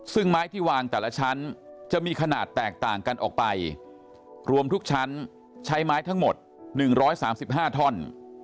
ซึ่งไม้ที่วางแต่ละชั้นจะมีขนาดแตกต่างกันออกไปรวมทุกชั้นใช้ไม้ทั้งหมด๑๓๕ท่อน